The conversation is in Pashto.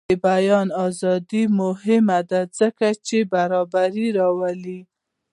د بیان ازادي مهمه ده ځکه چې برابري راولي.